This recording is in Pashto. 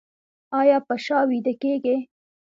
ایا په شا ویده کیږئ؟